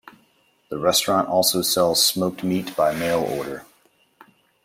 The restaurant also sells smoked meat by mail order.